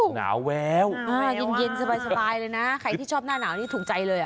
หนาแววหนาแววมากงั้นสบายเลยนะใครที่ชอบหน้าหนาวนี่ถูงใจเลย